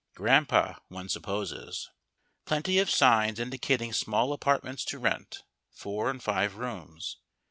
Grandpa, one supposes! Plenty of signs indicating small apartments to rent, four and five rooms.